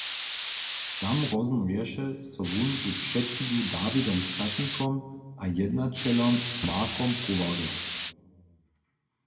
Tam rozmołwješe so wón z předsydu Dawidom Statnikom a jednaćelom Markom Kowarjom.